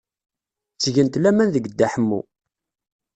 Ttgent laman deg Dda Ḥemmu.